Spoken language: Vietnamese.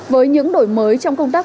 với những đổi mới trong công tác